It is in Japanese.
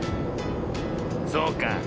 そうか。